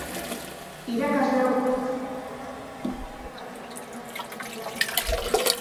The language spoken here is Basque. Irakasleok, gainera, erantzukizunpeko adierazpen bat sinatu behar dugu.